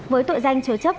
với tội danh chứa chấp